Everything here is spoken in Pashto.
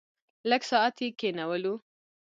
لږ ساعت یې کېنولو.